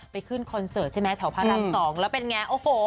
ไปขึ้นคอนเสิร์ตเท่าพระราม๒แล้วเป็นไง